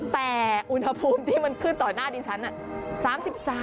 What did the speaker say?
แต่อุณหภูมิที่มันขึ้นต่อหน้าดิฉันน่ะ